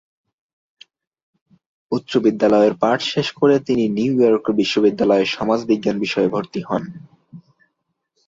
উচ্চ বিদ্যালয়ের পাঠ শেষ করে তিনি নিউ ইয়র্ক বিশ্ববিদ্যালয়ে সমাজবিজ্ঞান বিষয়ে ভর্তি হন।